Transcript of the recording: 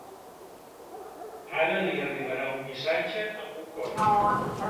Ara li arribarà un missatge amb un codi.